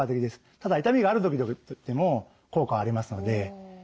ただ痛みがある時でも効果ありますので。